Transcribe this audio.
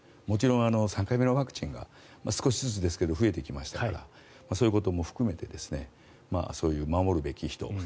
もちろん３回目のワクチンが少しずつですけど増えてきましたからそういうことも含めて守るべき人